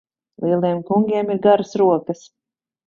Lieliem kungiem ir garas rokas.